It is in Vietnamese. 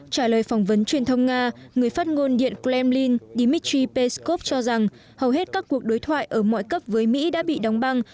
trả lời phỏng vấn truyền thông nga người phát ngôn điện kremlin dmitry peskov cho rằng hầu hết các cuộc đối thoại ở mọi cấp với mỹ đã bị đóng băng